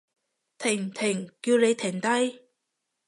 停！停！叫你停低！